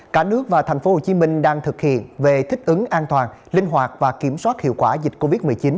cả nước và tp hcm đang thực hiện về thích ứng an toàn linh hoạt và kiểm soát hiệu quả dịch covid một mươi chín